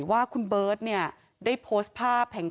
ว่าคุณเบิร์ดได้โพสต์ภาพ